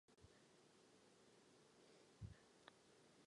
Začíná jižně od Ivanova a teče zhruba na sever.